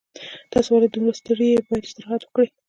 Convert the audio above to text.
تاسو ولې دومره ستړي یې باید استراحت وکړئ